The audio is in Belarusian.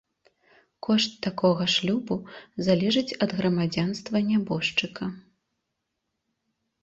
Кошт такога шлюбу залежыць ад грамадзянства нябожчыка.